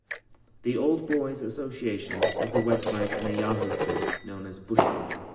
The Old Boys association has a website and a Yahoo group known as Bushfire.